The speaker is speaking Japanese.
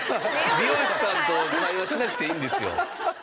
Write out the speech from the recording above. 美容師さんと会話しなくていいんですよ。